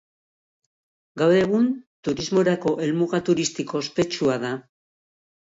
Gaur egun turismorako helmuga turistiko ospetsua da.